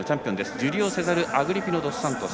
ジュリオセザル・アグリピノドスサントス。